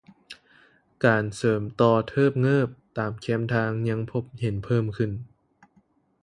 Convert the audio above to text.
ການເສີມຕໍ່ເທີບເງີບຕາມແຄມທາງ ຍັງພົບເຫັນເພີ່ມຂຶ້ນ